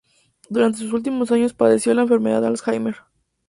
Durante sus últimos años padeció la enfermedad de Alzheimer.